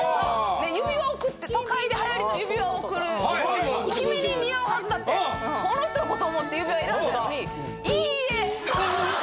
指輪を贈って「都会で流行りの指輪を贈る君に似合うはずだ」ってこの人のことを思って指輪選んだのに「いいえ」。